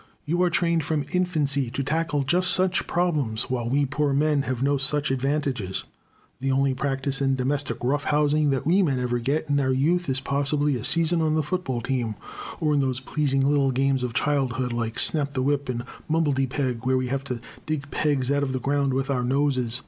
You are trained from infancy to tackle just such problems, while we poor men have no such advantages. The only practice in domestic rough housing that we men ever get in our youth is possibly a season on the football team, or in those pleasing little games of childhood like snap the whip, and mumbledypeg where we have to dig pegs out of the ground with our noses.